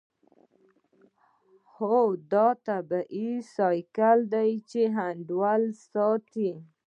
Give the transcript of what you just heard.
هو دا یو طبیعي سایکل دی چې انډول ساتي